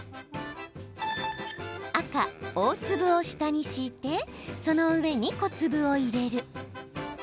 赤・大粒を下に敷いてその上に小粒を入れる。